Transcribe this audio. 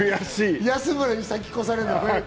安村に先越されるの。